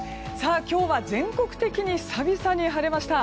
今日は全国的に久々に晴れました。